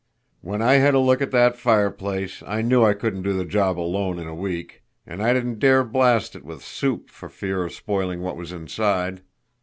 When I had a look at that fireplace I knew I couldn't do the job alone in a week, and I didn't dare blast it with 'soup' for fear of spoiling what was inside.